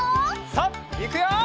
さあいくよ！